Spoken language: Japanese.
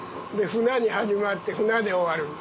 フナに始まってフナで終わる。